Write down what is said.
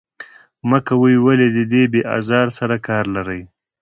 مه کوئ، ولې له دې بې آزار سره کار لرئ.